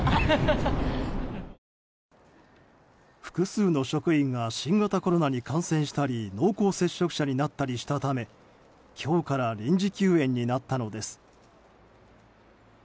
複数の職員が新型コロナに感染したり濃厚接触者になったりしたため今日から臨時休園になったのです。